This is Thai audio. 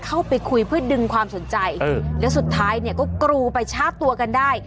เข้าไปคุยเพื่อดึงความสนใจแล้วสุดท้ายเนี่ยก็กรูไปชาร์จตัวกันได้